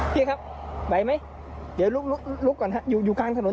พี่ครับไหวไหมเดี๋ยวลุกก่อนฮะอยู่กลางถนน